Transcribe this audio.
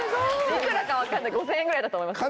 幾らか分かんないけど５０００円ぐらいだと思います。